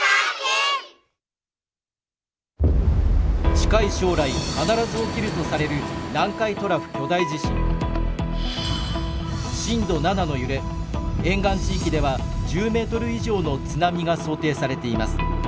近い将来必ず起きるとされる震度７の揺れ沿岸地域では１０ｍ以上の津波が想定されています。